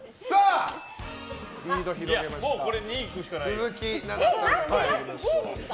鈴木奈々さん、参りましょう。